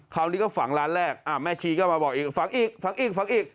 คราวนี้ก็ฝังร้านแรกแม่ชีก็มาบอกอีกฝังอีกฝังอีกฝังอีก